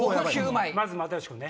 まず又吉君ね。